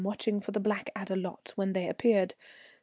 watching for the Blackadder lot when they appeared.